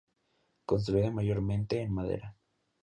Construida mayormente en madera.